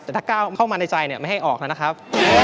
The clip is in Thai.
แต่ถ้าก้าวเข้ามาในใจไม่ให้ออกแล้วนะครับ